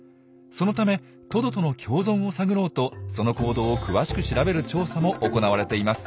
そのためトドとの共存を探ろうとその行動を詳しく調べる調査も行われています。